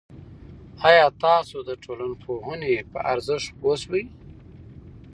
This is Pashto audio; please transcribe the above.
آیا تاسو د ټولنپوهنې په ارزښت پوه شوئ؟